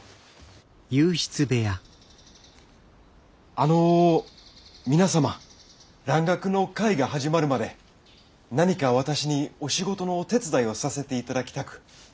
あの皆様蘭学の会が始まるまで何か私にお仕事のお手伝いをさせて頂きたく。